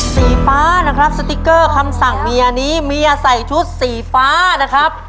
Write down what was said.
สีฟ้านะครับสติ๊กเกอร์คำสั่งเมียนี้เมียใส่ชุดสีฟ้านะครับ